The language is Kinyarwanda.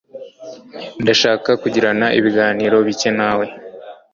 Ndashaka kugirana ibiganiro bike nawe.